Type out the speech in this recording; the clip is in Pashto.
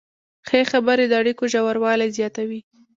ښې خبرې د اړیکو ژوروالی زیاتوي.